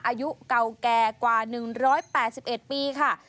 อายุเก่าแก่กว่า๑๘๑ปีค่ะ